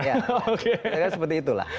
ya seperti itulah